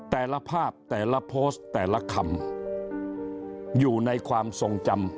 แต่ละภาพแต่ละโพสต์แต่ละคำอยู่ในความทรงจำ